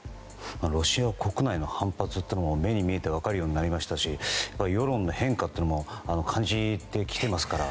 ロシア国内の反発というのが目に見えて分かるようになりましたし世論の変化も感じてきていますから。